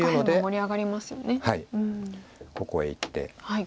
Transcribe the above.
ここへいって。